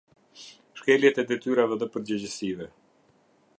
Shkeljet e detyrave dhe përgjegjësive.